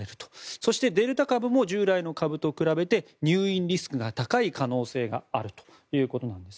そしてデルタ株も従来の株と比べて入院リスクが高い可能性があるということです。